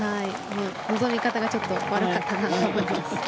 臨み方が悪かったなと思います。